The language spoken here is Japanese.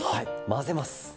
まぜます。